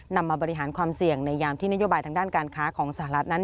มาบริหารความเสี่ยงในยามที่นโยบายทางด้านการค้าของสหรัฐนั้น